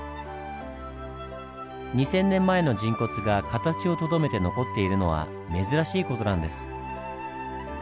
二千年前の人骨が形をとどめて残っているのは珍しい事なんです。